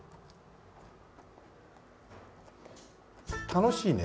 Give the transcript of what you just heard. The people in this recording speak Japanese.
楽しいね。